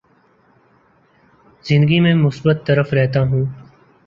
زندگی میں مثبت طرف رہتا ہوں